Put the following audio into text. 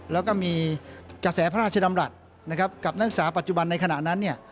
แล้วก็มีกระแสพระราชดำรัฐนะครับกับนักศึกษาปัจจุบันในขณะนั้นเนี่ย